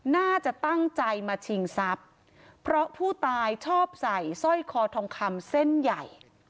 น่าจะตั้งใจมาชิงทรัพย์เพราะผู้ตายชอบใส่สร้อยคอทองคำเส้นใหญ่